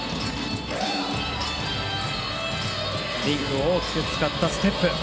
リンクを大きく使ったステップ。